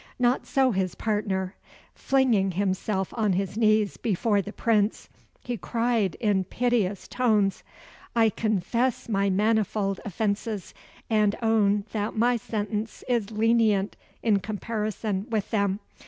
Not so his partner. Flinging himself on his knees before the Prince, he cried in piteous tones "I confess my manifold offences, and own that my sentence is lenient in comparison with them.